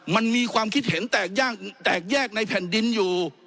มันมีความคิดเห็นแตกแยกในแผ่นดินอยู่